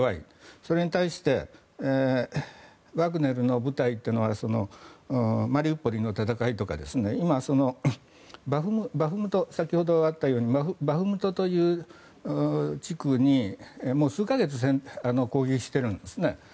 それに対してワグネルの部隊はマリウポリの戦いとか先ほどあったようにバフムトという地区にもう数か月攻撃しているんですね。